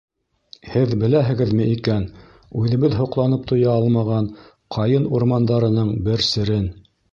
Һеҙ беләһегеҙме икән үҙебеҙ һоҡланып туя алмаған, ҡайын урмандарының бер серен?